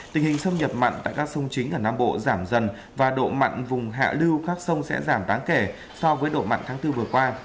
tình hình xâm nhập mặn tại các sông chính ở nam bộ giảm dần và độ mặn vùng hạ lưu các sông sẽ giảm đáng kể so với độ mặn tháng bốn vừa qua